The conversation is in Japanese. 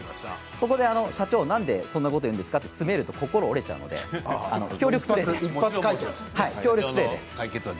ここで社長なんでそんなこと言うんですか？と詰めると心折れちゃうので協力プレーです。